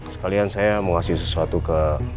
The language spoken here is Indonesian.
sekalian saya mau ngasih sesuatu ke